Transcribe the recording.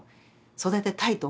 「育てたいろ？」